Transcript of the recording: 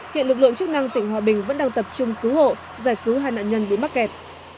hiện lực lượng chức năng tỉnh hòa bình vẫn đang tập trung cứu hộ giải cứu hai nạn nhân bị mắc kẹt